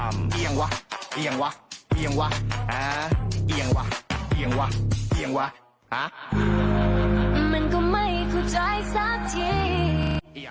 มันก็ไม่เข้าใจสักที